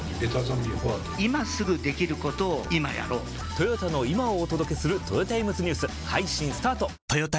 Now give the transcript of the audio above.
トヨタの今をお届けするトヨタイムズニュース配信スタート！！！